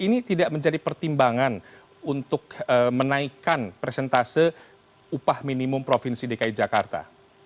ini tidak menjadi pertimbangan untuk menaikkan persentase upah minimum provinsi dki jakarta